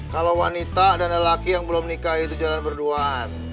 kalau wanita dan lelaki yang belum nikah itu jalan berduaan